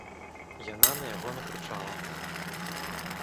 Яна на яго накрычала.